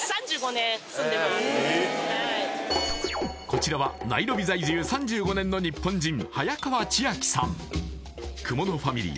こちらはナイロビ在住３５年の日本人早川千晶さん雲野ファミリー